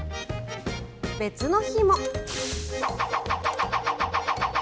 別の日も。